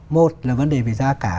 một là vấn đề về giá cả